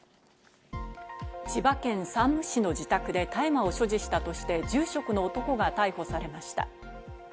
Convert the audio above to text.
千葉県山武市の自宅で大麻を所持したとして、住職の男が逮捕されました。